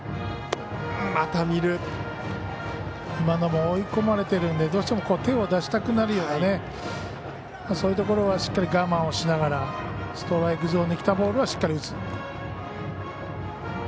今のも追い込まれてるのでどうしても手を出したくなるようなそういうところはしっかり我慢しながらストライクゾーンにきたボールはしっかり打つ。